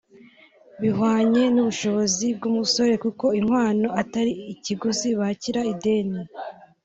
bihwanye n’umushobozi bw’umusore kuko inkwano atari ikiguzi bakira ideni